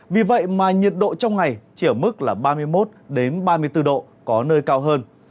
vì vậy mà nhiệt độ trong ngày chỉ ở mức là ba mươi một ba mươi bốn độ có nơi cao hơn